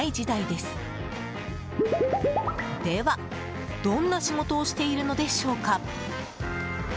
では、どんな仕事をしているのでしょうか？